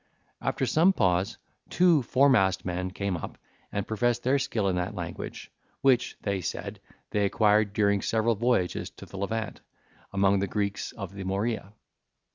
After some pause, two foremast men came up, and professed their skill in that language, which, they said, they acquired during several voyages to the Levant, among the Greeks of the Morea.